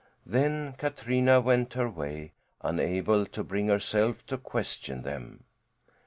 Then Katrina went her way, unable to bring herself to question them.